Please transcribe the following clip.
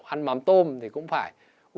ăn mắm tôm thì cũng phải